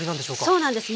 そうなんです。